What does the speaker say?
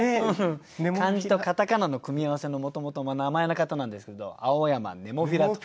漢字と片仮名の組み合わせのもともと名前の方なんですけど青山ネモフィラと。